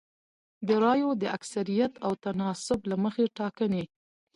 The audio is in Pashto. د رایو د اکثریت او تناسب له مخې ټاکنې